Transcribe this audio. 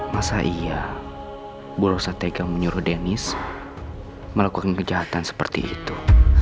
masa iya bu rosa tegang menyuruh dennis melakukan kejahatan seperti itu